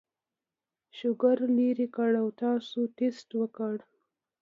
شوګر لر کړي او تاسو ټېسټ وکړئ